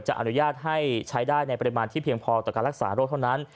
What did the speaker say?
อนุญาตให้ใช้ได้ในปริมาณที่เพียงพอต่อการรักษาโรคเท่านั้น